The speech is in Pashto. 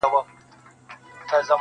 خوږې شپې د نعمتونو یې سوې هیري -